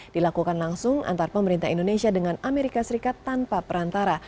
dilakukan langsung antar pemerintah indonesia dengan amerika serikat tanpa perantara